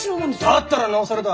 だったらなおさらだ！